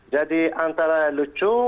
jadi antara lucu